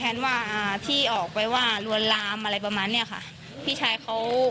เขาไม่ได้เข้าไปลวนลามแค่เข้าไปห้าม